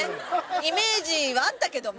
イメージはあったけども。